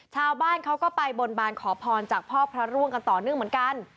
ชาวบ้านเขาก็ไปบนบานขอพรจากพ่อพระร่วงกันต่อเนื่องเหมือนกัน